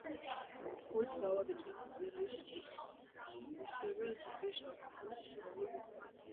ღვიძლის დაავადების რისკს ასევე ზრდის ალკოჰოლის სისტემატიური მოხმარება.